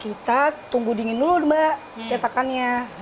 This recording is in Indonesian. kita tunggu dingin dulu mbak cetakannya